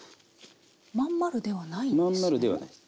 真ん丸ではないんですね。